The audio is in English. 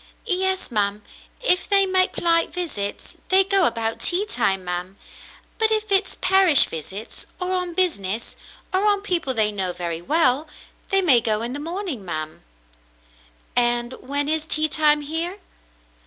"Yes, ma'm. If they make polite visits, they go about tea time, ma'm. But if it's parish visits, or on business, or on people they know very well, they may go in the morning, ma'm." "And when is tea time here?"